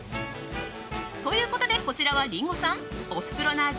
ということでこちらはリンゴさんおふくろの味